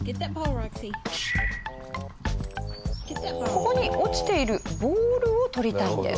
ここに落ちているボールを取りたいんです。